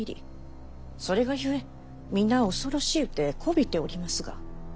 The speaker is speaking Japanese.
それがゆえ皆恐ろしうて媚びておりますが。